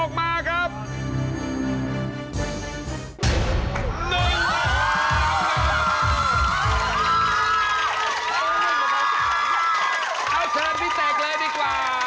ก้าว